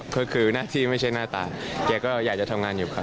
ก็คือหน้าที่ไม่ใช่หน้าตาแกก็อยากจะทำงานอยู่ครับ